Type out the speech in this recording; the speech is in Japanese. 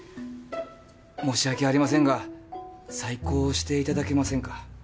申し訳ありませんが再考していただけませんか？